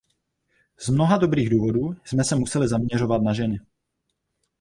Z mnoha dobrých důvodů jsme se museli zaměřovat na ženy.